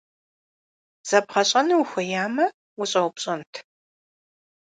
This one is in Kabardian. Зэбгъэщӏэну ухуеямэ, ущӏэупщӏэнт.